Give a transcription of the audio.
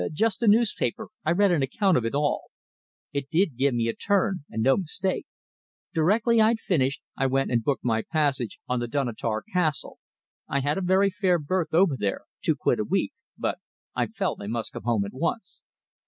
"Just a newspaper I read an account of it all. It did give me a turn and no mistake. Directly I'd finished, I went and booked my passage on the Dunottar Castle. I had a very fair berth over there two quid a week, but I felt I must come home at once.